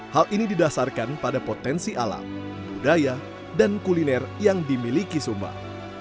hal ini didasarkan pada potensi alam budaya dan kuliner yang dimiliki sumba